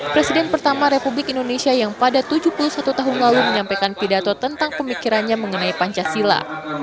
presiden pertama republik indonesia yang pada tujuh puluh satu tahun lalu menyampaikan pidato tentang pemikirannya mengenai pancasila